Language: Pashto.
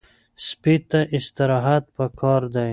سپي ته استراحت پکار دی.